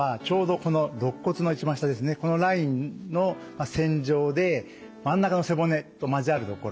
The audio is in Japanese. このラインの線状で真ん中の背骨と交わる所